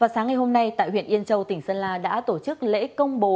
sáng ngày hôm nay tại huyện yên châu tỉnh sơn la đã tổ chức lễ công bố